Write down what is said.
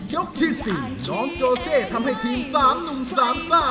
ที่๔น้องโจเซทำให้ทีม๓หนุ่มสามซ่า